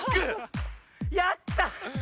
やった。